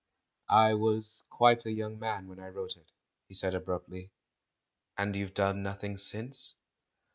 "I was quite a young man when I wrote it," he said abruptly. "And you've done nothing since?"